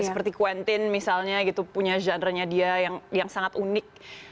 seperti quentin misalnya gitu punya genre nya dia yang sangat unik